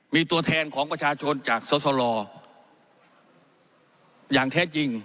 มีตัวแทนของประชาชนจากสสลอย่างแท้จริง